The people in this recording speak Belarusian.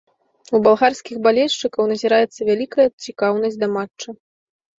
У балгарскіх балельшчыкаў назіраецца вялікая цікаўнасць да матча.